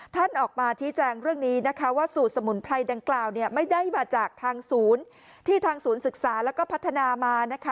ท่านออกมาชี้แจงเรื่องนี้นะคะว่าสูตรสมุนไพรดังกล่าวไม่ได้มาจากทางศูนย์ที่ทางศูนย์ศึกษาแล้วก็พัฒนามานะคะ